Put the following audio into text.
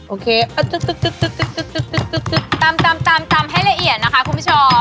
โอเคตามให้ละเอียดนะคะคุณผู้ชม